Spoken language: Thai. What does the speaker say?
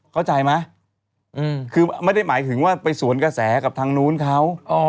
เข้าใจไหมคือไม่ได้หมายถึงว่าไปสวนกระแสกับทางนู้นเขา